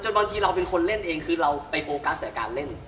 บางทีเราเป็นคนเล่นเองคือเราไปโฟกัสกับการเล่น